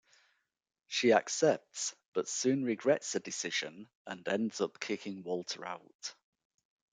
She accepts, but soon regrets the decision and ends up kicking Walter out.